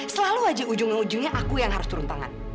selalu aja ujungnya ujungnya aku yang harus turun tangan